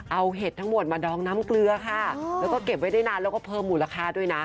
เอาเห็ดทั้งหมดมาดองน้ำเกลือค่ะแล้วก็เก็บไว้ได้นานแล้วก็เพิ่มมูลค่าด้วยนะ